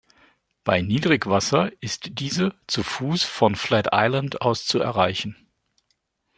Bei Niedrigwasser ist diese zu Fuß von Flat Island aus zu erreichen.